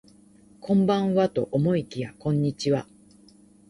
こんばんはと思いきやこんにちは